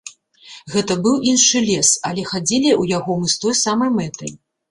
Гэта быў іншы лес, але хадзілі ў яго мы з той самай мэтай.